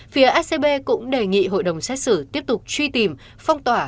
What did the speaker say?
phía scb cũng đề nghị hội đồng xét xử tiếp tục truy tìm phong tỏa